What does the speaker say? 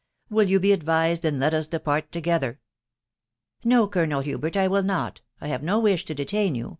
... Will you be ad vised, and let us depart together ?"" No, Colonel Hubert, I will not. I have no wish to detain you